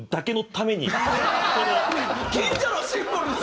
近所のシンボルに。